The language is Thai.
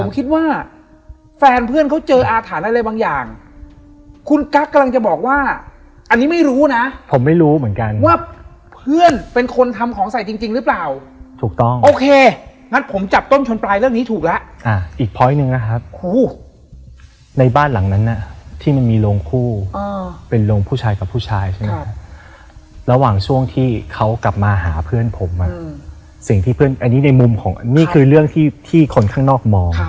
คิดว่าแฟนเพื่อนเขาเจออาถารณ์อะไรบางอย่างคุณกั๊กกำลังจะบอกว่าอันนี้ไม่รู้นะผมไม่รู้เหมือนกันว่าเพื่อนเป็นคนทำของใส่จริงจริงหรือเปล่าถูกต้องโอเคงั้นผมจับต้นชนปลายเรื่องนี้ถูกแล้วอ่าอีกนึงนะครับในบ้านหลังนั้นน่ะที่มันมีโรงคู่อ่าเป็นโรงผู้ชายกับผู้ชายใช่ไหมครับระหว่างช่วงที่เขากล